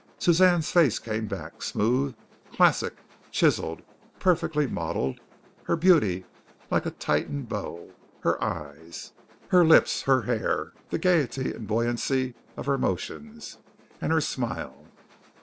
Suzanne's face came back, smooth, classic, chiseled, perfectly modeled, her beauty like a tightened bow; her eyes, her lips, her hair, the gaiety and buoyancy of her motions and her smile.